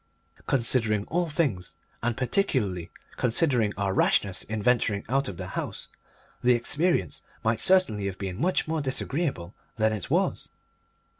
Considering all things, and particularly considering our rashness in venturing out of the house, the experience might certainly have been much more disagreeable than it was.